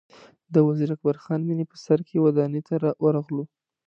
د وزیر اکبر خان مېنې په سر کې ودانۍ ته ورغلو.